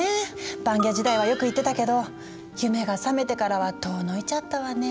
バンギャ時代はよく行ってたけど夢がさめてからは遠のいちゃったわね。